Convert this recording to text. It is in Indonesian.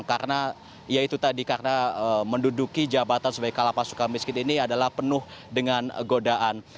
karena ya itu tadi karena menduduki jabatan sebagai kalapas suka miskin ini adalah penuh dengan godaan